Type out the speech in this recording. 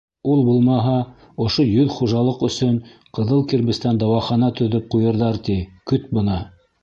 Ул булмаһа, ошо йөҙ хужалыҡ өсөн ҡыҙыл кирбестән дауахана төҙөп ҡуйырҙар, ти, көт бына.